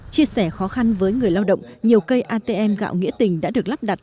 chia sẻ khó khăn với người lao động nhiều cây atm gạo nghĩa tình đã được lắp đặt